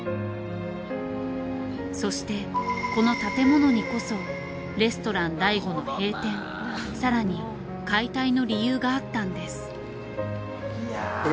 そしてこの建物にこそレストラン醍醐の閉店更に解体の理由があったんです。